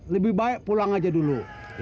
lebih baik pulang aja dulu